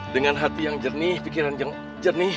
dengan hati yang jernih pikiran yang jernih